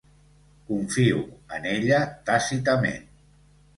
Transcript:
Confio en ella tàcitament.